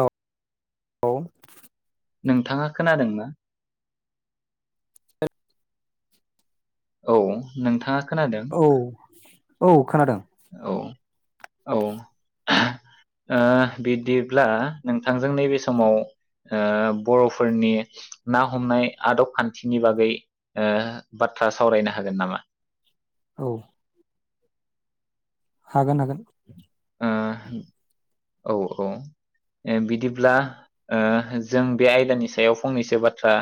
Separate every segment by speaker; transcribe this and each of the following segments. Speaker 1: अ औ
Speaker 2: नोंथाङा खोनादों ना औ नोंथाङा खोनादों
Speaker 1: औ औ खोनादों
Speaker 2: औ औ ओ बिदिब्ला नोंथांजों नैबे समाव ओ बर'फोरनि ना हमनाय आदब खान्थिनि बागै ओ बाथ्रा सावरायनो हागोन नामा
Speaker 1: औ हागोन हागोन
Speaker 2: ओ औ औ बिदिब्ला ओ जों बे आयदानि सायाव फंनैसो बाथ्रा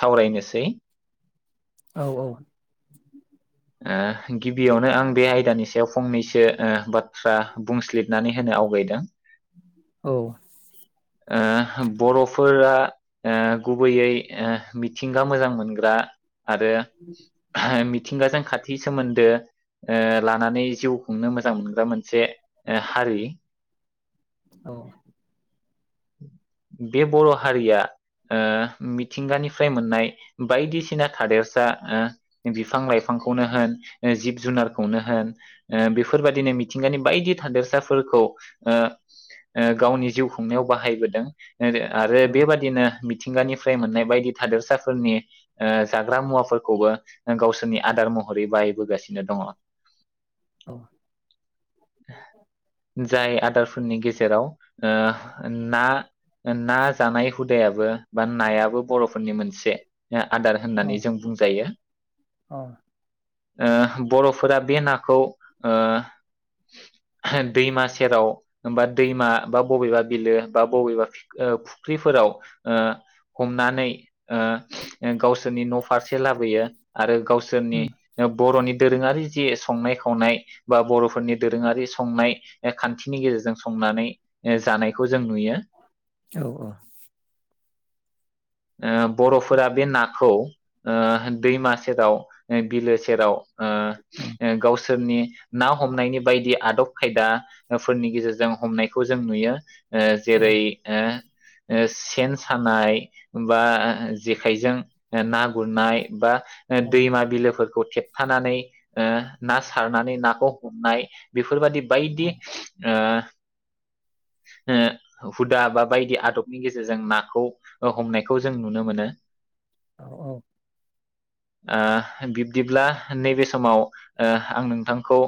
Speaker 2: सावरायनोसै
Speaker 1: औ औ
Speaker 2: ओ गिबियावनो आं बे आयदानि सायाव फंनैसो ओ बाथ्रा बुंसलिबनानै होनो आवगायदों
Speaker 1: औ
Speaker 2: ओ बर'फोरा ओ गुबैयै ओ मिथिंगा मोजां मोनग्रा आरो मि मिथिंगाजों- खाथि सोमोन्दो ओ लानानै जिउ खुंनो मोजां मोनग्रा मोनसे ओ हारि
Speaker 1: औ
Speaker 2: बे बर' हारिया ओ मिथिंगानिफ्राय मोननाय बायदिसिना थादेरसा ओ बिफां लाइफां बिफांखौनो होन जिब जुनारखौनो होन ओ बेफोरबायदिनो मिथिंगानि बायदि थादेरसाफोरखौ ओ गावनि जिउ खुंनायाव बाहायबोदों ओरो आरो बेबादिनो मिथिंगानिफ्राय मोननाय बायदि थादेरसाफोरनि ओ जाग्रा मुवाफोरखौबो गावसोरनि गावनि आदार महरै बाहायबोगासिनो दङ
Speaker 1: औ
Speaker 2: जाय आ फोरनि गेजेराव ना ना जानाय हुद हुदायाबो बा नायाबो बर'फोरनि मोनसे आदार होननानै जों बुंजायो
Speaker 1: अ
Speaker 2: ओ बर'फोरा बे नाखौ ओ दैमा सेराव बा दैमा बा बबेबा बिलो बबेबा फु फुख्रिफोराव ओ हमनानै ओ गावसोरनि न' फारसे लाबोयो आरो गावसोर सोरनि
Speaker 1: उम
Speaker 2: बर'नि दोरोङारि जे संनाय खावनाय बा बर'फोरनि दोरोङारि संनाय खान्थिनि गेजेरजों संनानै जानायखौ जों नुयो
Speaker 1: औ औ
Speaker 2: ओ बर'फोरा बे नाखौ ओ दैमा सेराव बिलो सेराव आ
Speaker 1: उम
Speaker 2: गाव सोरनि ना हमनायनि बायदि आदब खायदाफोरनि गेजेरजों हमनायखौ जों नुयो ओ
Speaker 1: औ
Speaker 2: जिरै ओ ओ सेन सानाय बा जेखाइजों ना गुरनाय बा दैमा बेफोरखौ थेबथानानै ओ ना सारनानै नाखौ हमनाय बे फोरबादि
Speaker 1: औ
Speaker 2: बायदि ओ ओ हुदा बा बायदि आदबनि गेजेरजों नाखौ अ हमनायखौ जों नुनो मोनो
Speaker 1: औ औ
Speaker 2: ओ बिब्दिब्ला नैबे समाव ओ आं नोंथांखौ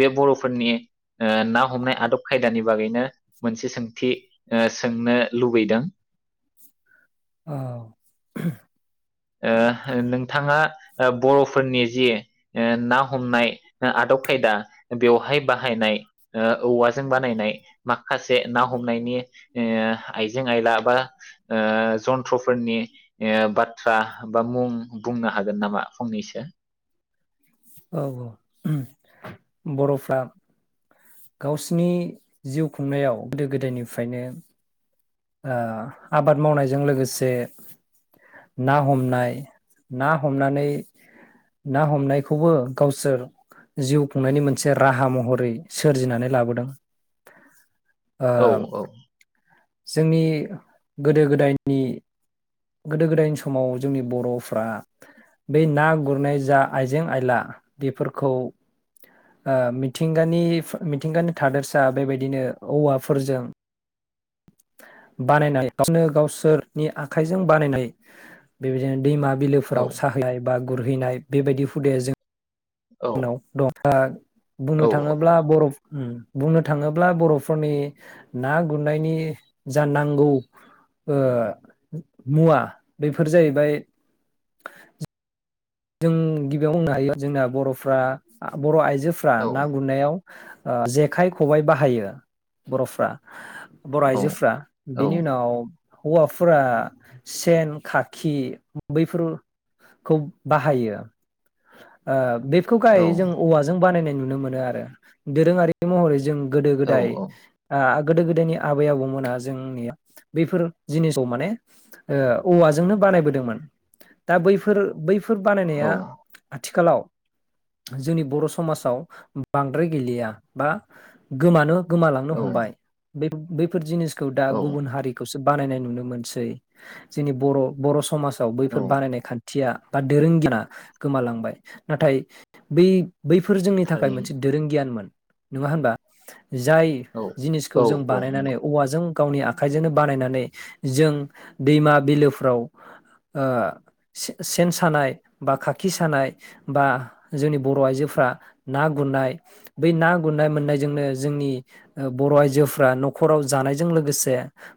Speaker 2: बे बर'फोरनि ओ ना हमनाय आदब खायदानि बागैनो मोनसे सोंथि ओ सोंनो लुबैदों
Speaker 1: औ
Speaker 2: ओ नोंथाङा ओ बर'फोरनि जि ओ ना हमनाय आदब खायदा बेवहाय बाहायनाय ओ औवाजों बानायनाय माखासे ना हमनायनि ओ आइजें आइला बा ओ जन्थ्रफोरनि ओ बा थ्रा बा मुं बुंनो हागोन नामा फंनैसो
Speaker 1: औ औ बर'फ्रा गावसिनि जिउ खुंनायाव गोदो गोदायनिफ्रायनो ओ आबाद मावनायजों लोगोसे ना हमनाय ना हमनानै ना हमनायखौबो गावसोर जिउ खुंनायनि मोनसे राहा महरै सोरजिनानै लाबोदों
Speaker 2: औ
Speaker 1: ओ
Speaker 2: औ
Speaker 1: जोंनि गोदो गोदायनि गोदो गोदायनि समाव जोंनि बर'फ्रा बे ना गुरनाय जा आइजें आयला बेफोरखौ ओ मिथिंगानि मिथिंगानि थादेरसा बेबायदिनो औवाफोरजों बानायनानै गावनो गावसोरनि आ खाइजों बानायनाय बेबायदिनो दैमा
Speaker 2: औ
Speaker 1: बिलोफोराव साहैनाय बा गुरहैनाय बेबायदि हुदाया जों
Speaker 2: औ
Speaker 1: जाउनाव दं दा बुंनो
Speaker 2: औ औ
Speaker 1: थाङोब्ला बर' उम बुंनो थाङोब्ला बर'फोरनि ना गुरनायनि जा नांगौ ओ मुवा बेफोर जाहैबाय जों गिबियाव बुंनो हायो जोंना बर'फ्रा बर' आइ जोफ्रा
Speaker 2: औ
Speaker 1: ना गुरनायाव ओ जेखाइ खबाइ बाहायो बर'फ्रा बर' आइजोफ्रा
Speaker 2: औ
Speaker 1: बिनि उनाव हौवाफोरा सेन खाखि बैफोरखौ बाहायो ओ बेखौ
Speaker 2: औ
Speaker 1: गाय जों औवाजों बानायनाय नु नुनो मोनो आरो दोरोङारि महरै जों गोदो
Speaker 2: औ
Speaker 1: गोदाय आ गोदो गोदायनि आबै आबौमोना जोंनि बैफोर जिनिसखौ माने ओ औवाजोंनो बानायबोदोंमोन दा बैफोर बै फोर बानायनाया आथिखालाव जोंनि बर' समाजाव बांद्राय गैलिया बा गोमानो गोमालांनो
Speaker 2: औ
Speaker 1: हमबाय बे बैफोर जिनिस खौ दा
Speaker 2: औ
Speaker 1: गुबुन हारिखौसो बनायनाय नुनो मोनसै समाजाव
Speaker 2: औ
Speaker 1: बैफोर बानायनाय खान्थि थिया बा दोरों गिना गोमालांबाय नाथाय बै बैफोर जोंनि थाखाय मोनसे
Speaker 2: थारैनो
Speaker 1: दोरों गियानमोन नङा होनबा जाय
Speaker 2: औ
Speaker 1: जिनिसखौ
Speaker 2: औ
Speaker 1: जों
Speaker 2: औ
Speaker 1: बानायनानै
Speaker 2: नंगौ
Speaker 1: औवाजों गावनि आखाइजोंनो बानायनानै जों दैमा बिलोफ्राव ओ से सेन सानाय बा खाखि सानाय बा जोंनि बर' आइजोफ्रा ना गुरनाय बै ना गुरनाय मोननायजोंनो जोंनि बर' आइजोफ्रा न'खराव जानायजों लोगोसे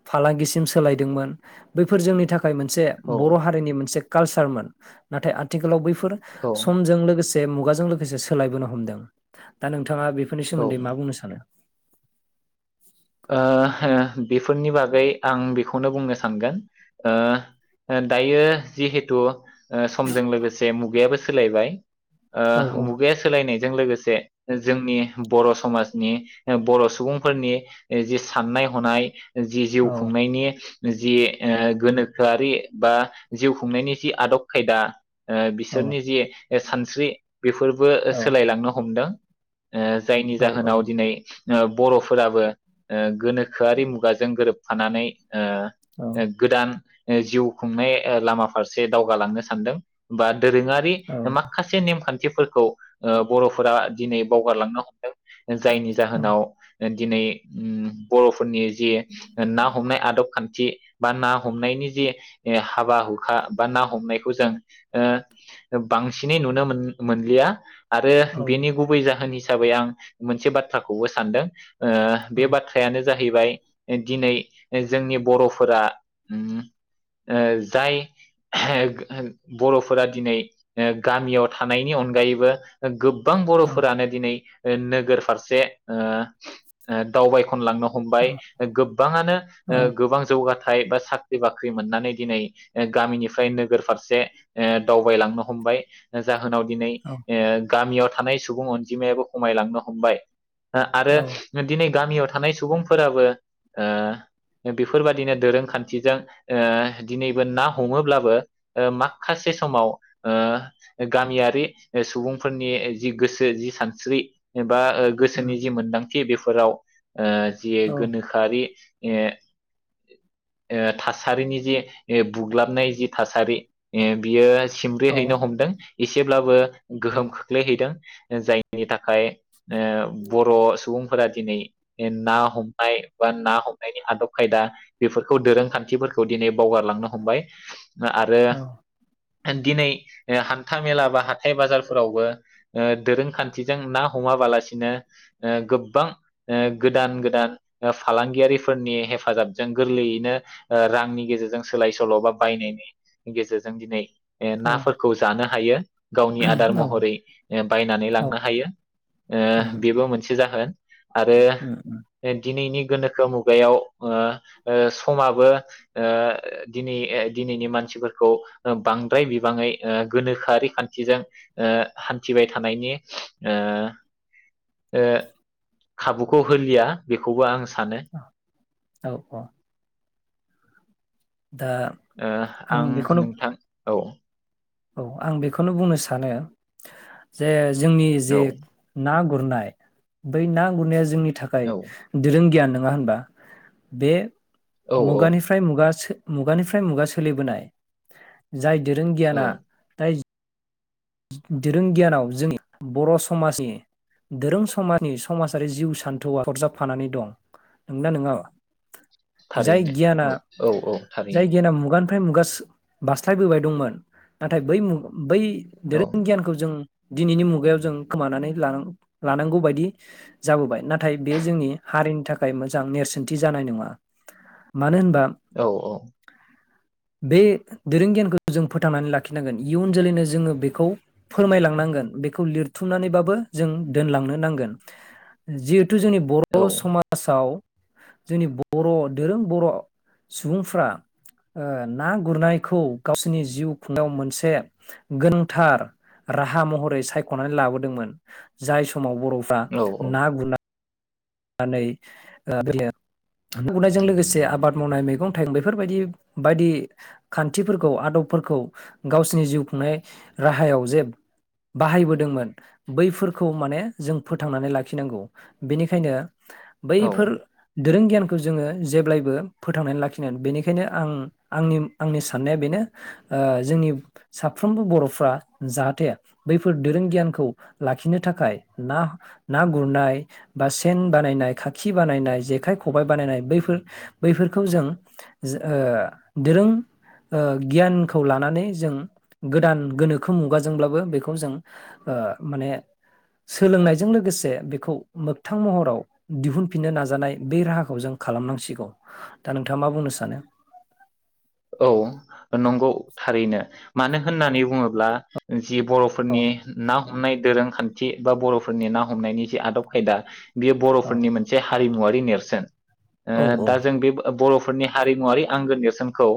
Speaker 1: फालांगिसिम सोलायदोंमोन बैफोर जोंनि थाखाय थाखाय मोनसे
Speaker 2: औ
Speaker 1: बर' हारिनि मोनसे कालसारमोन नाथाय आथिखालाव बैफोर
Speaker 2: औ
Speaker 1: फोर समजों लोगोसे मुगाजों सोलायबोनो हमदों बिथाङा बेफोरनि
Speaker 2: औ ओ
Speaker 1: सोमोन्दै मा बुंनो सानो
Speaker 2: ओ हो बेफोरनि बागै आं बेखौनो बुंनो सानगोन ओ दायो ओ जिहेथु समजों लोगोसे मुगायाबो सोलायबाय ओ
Speaker 1: औ औ
Speaker 2: मुगाया सोलायनाय जों लोगोसे जोंनि बर' समाजनि बर' सुबुंफोरनि जि साननाय हनाय जि जिउ
Speaker 1: औ
Speaker 2: खुंनायनि जि ओ गोनोखोआरि बा जिउ खुंनायनि जि आदब खायदा ओ
Speaker 1: औ
Speaker 2: बिसोरनि जि ए सानस्रि बेफोरबो
Speaker 1: औ
Speaker 2: सोलायलांनो हमदों ओ जायनि
Speaker 1: औ
Speaker 2: जाहोनाव दिनै ओ बर'फोराबो ओ गोनोखोआरि मुगाजों गोरोबफानानै
Speaker 1: औ
Speaker 2: ओ गोदान जिउ खुंनाय लामा फारसे दावगालांनो सानदों बा दोरोङारि
Speaker 1: औ
Speaker 2: माखासे नेमखान्थि थिफोरखौ ओ बर'फोरा ओ दिनै बावगारलांनो हमदों जायनि जाहोनाव दिनै उम बर'फोरनि जि ना हमनाय आदब खान्थि जि बा ना हमनायनि जि ओ हाबा हुखा बा ना हमनायखौ जों ओ बांसिनै नुनो मोन मोनलिया आरो
Speaker 1: औ
Speaker 2: बेनि गुबै जाहोननि हिसाबै आं मोनसे बाथ्राखौबो सानदों ओ बे बाथ्रायानो जाहैबाय दिनै जोंनि बर'फोरा उम ओ जाय बर'फोरा दिनै गामियाव थानायनि अनगायैबो गोब गोबां
Speaker 1: औ
Speaker 2: बर'फोरानो दिनै नोगोर फारसे ओ दावबायखन लांनो हमबाय गोबाङानो
Speaker 1: औ औ
Speaker 2: गोबां जौगा थाय साख्रि बाख्रि मोननानै दिनै गामिनिफ्राय नोगोर फारसे ओ दावबायलांनो हमबाय जाहोन जाहोनाव दिनै
Speaker 1: औ
Speaker 2: ओ गामियाव थानाय सुबुं अनजिमायाबो खमायलांनो हमबाय ओ आरो
Speaker 1: औ
Speaker 2: दिनै गामियाव थानाय सुबुंफोराबो ओ बेफोरबादिनो दोरोंखान्थिजों ओ दिनैबो ना हमोब्लाबो माखासे समाव ओ गामियारि सुबुंफोरनि जि गोसो जि सानस्रि ओ बा
Speaker 1: उम,
Speaker 2: गोसोनि जि मोनदां थि बेफोराव ओ जि
Speaker 1: औ
Speaker 2: गोनोखोआरि ओ ओ थासारिनि जि ओ बुग्लाबनाय जि थासारि ओ बियो सिमब्रे
Speaker 1: औ
Speaker 2: हैनो हमदों एसेब्लाबो
Speaker 1: औ
Speaker 2: गोहोम खोख्लैहैदों जायनि थाखाय ओ बर' सुबुंफोरा दिनै ना हमनाय बा ना हमनायनि आदब खायदा बेफोरखौ दोरोंखान्थिफोरखौ दिनै बावगारलांनो हमबाय आरो दिनै ओ हान्था मेला बा हाथाय बाजारफोरावबो ओ दोरोंखान्थिजों ना हमाबालासिनो ओ गोबां ओ गोदान गोदान ओ फालांगियारिफोरनि हेफाजाबजों गोरलैयैनो ओ रांनि गेजेरजों सोलाय सोल' बा बायनायनि गेजेरजों दिनै
Speaker 1: औ
Speaker 2: नाफोरखौ जानो हायो [inaudible] गावनि आदार
Speaker 1: औ
Speaker 2: महरै बायनानै
Speaker 1: औ
Speaker 2: लांनो हायो
Speaker 1: उम,
Speaker 2: ओ बेबो मोन जाहोन आरो
Speaker 1: उम, उम,
Speaker 2: दिनैनि गोनोखो मुगायाव ओ ओ समाबो दिनै दिनैनि मानसिफोरखौ बांद्राय बिबाङै गोनोखोआरि खान्थिजों हान्थिबाय थानायनि ओ ओ खाबुखौ होलिया बेखौबो आं सान सानो।
Speaker 1: औ औ दा
Speaker 2: ओ आं नोंथां औ
Speaker 1: औ आं बेखौनो बुंनो सानो जे। जोंनि जे
Speaker 2: औ
Speaker 1: ना गुरनाय बै ना गुरनाया जोंनि थाखाय
Speaker 2: औ
Speaker 1: दोरों गियाननो नङा होनबा बे
Speaker 2: औ औ
Speaker 1: मुगानिफ्राय मुगासो मुगानिफ्राय मुगा सोलिबोनाय जाय दोरों गियाना
Speaker 2: औ
Speaker 1: जाय दोरों गियानाव जोंनि बर' समाजनि दोरों समाजनि समाजारि जिउ सान्थौआ सरजाबफानानै दं नंना नङा जाय
Speaker 2: थारैनो
Speaker 1: गियाना
Speaker 2: औ औ औ
Speaker 1: जाय
Speaker 2: थारैनो
Speaker 1: गियान मुगानि फ्राय मुगा बास्लायबोबाय दंमोन नाथाय बै मु बै
Speaker 2: औ
Speaker 1: धोरों गियानखौ जों दिनैनि मुगायाव जों खोमानानै लानां लानांगौ बायदि जाबोबाय नाथाय बे जोंनि हारिनि थाखाय मोजां नेरसोनथि जानाय नङा। मानो होनबा
Speaker 2: औ औ
Speaker 1: बे दोरों गियानखौ जों फोथांनानै लाखिनांगोन इयुन जोलैनो जोङो बेखौ खौ फोरमायलांनांगोन बेखौ लिरथुमनानैबाबो जों दोनलांनो नांगोन जि जितु जोंनि बर' समाजाव जोंनि बर' दोरों बर' सुबुंफ्रा ओ ना गुरनायखौ गावसोरनि जिउ खुंनायाव मोनसे गोनां थार राहा महरै सायख'नानै लाबोदोंमोन जाय समाव बर'फ्रा
Speaker 2: औ
Speaker 1: ना गुरनाय नानै बे नुनो मोननायजों लोगोसे आबाद मावनाय मैगं थाइगं बेफोरबायदि बायदि खान्थिफोरखौ आदबफोरखौ गावसिनि जिउ खुंनाय राहायाव जे बाहायबोदोंमोन बैफोरखौ माने जों फोथांनानै लाखिनांगौ बेनिखायनो
Speaker 2: औ
Speaker 1: बैफोर दोरों गियान खौ जोङो जेब्लायबो फोथांनानै लाखिनांगोन बेनिखायनो आं आंंनि आंनि साननाया बेनो जोंनि साफ्रोमबो बर'फ्रा जाहाथे बैफोर दोरों गियानखौ लाखिनो थाखाय ना ना गुरनाय बा सेन बानायनाय खाखि बानायनाय जेखाइ खबाय बानायनाय बैफोर बैफोरखौ जों ओ दोरों गियानखौ लानानै जों गोदान गोनोखो मुगाजोंब्लाबो बेखौ जों ओ माने सोलोंनायजों लोगोसे बेखौ मोग मोगथां महराव दिहुनफिननो नाजानाय बे राहाखौ जों खालामनांसिगौ। दा नोंथाङा मा बुंनो सानो।
Speaker 2: औ नंगौ थारैनो मानो होननानै बुङोब्ला जि बर'फोरनि नाव हमनाय दोरोंखान्थि बा बर'फोरनि ना हमनायनि जे आदब खायदा बियो
Speaker 1: औ
Speaker 2: बर'फोरनि मोनसे हारिमुवारि बे नेरसोन
Speaker 1: औ
Speaker 2: ओ
Speaker 1: औ
Speaker 2: दा जों बे फोरनि हारिमुवारि आंगो नेरसोनखौ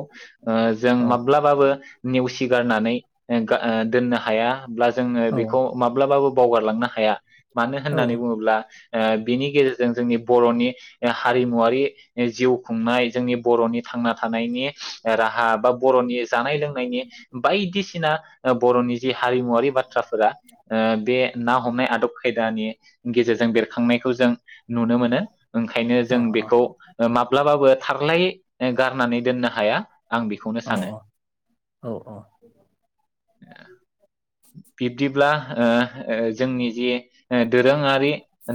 Speaker 2: जों
Speaker 1: औ
Speaker 2: माब्लाबाबो नेवसि गारनानै ओ दोननो हाया ब्ला जोङो
Speaker 1: औ
Speaker 2: बेखौ माब्लाबाबो बावगारलांनो हाया मानो
Speaker 1: औ
Speaker 2: होननानै बुङोब्ला बिनि गेजेरजों जोंनि बर'नि ओ हारिमुवारि जिउ खुंनाय जोंनि बर'नि थांना थानायनि राहा बा बर'नि जानाय लोंनायनि बायदिसिना बर'नि जि हारिमुवारि बाथ्रा फोरा बे ना हमनाय आदब खायदानि गेजेरजों बेरखांनायखौ जों नुनो मोनो ओंखायनो
Speaker 1: औ
Speaker 2: जों बेखौ माब्लाबाबो थारलाय गारनानै दोननो हाया आं बेखौनो
Speaker 1: औ
Speaker 2: सानो बिब्दिब्ला ओ जोंनि जि दोरोङारि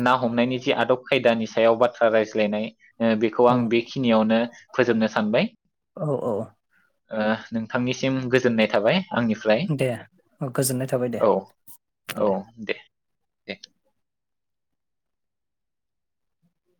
Speaker 2: ना हमनायनि जि आदब खायदानि सायाव बाथ्रा रायज्लायनाय बेखौ आं
Speaker 1: औ
Speaker 2: बे यावनो फोजोबनो सानबाय
Speaker 1: औ औ औ
Speaker 2: ओ नोंथांनिसिम गोजोननाय थाबाय आंनिफ्राय
Speaker 1: दे गोजोननाय थाबाय दे
Speaker 2: औ औ दे ए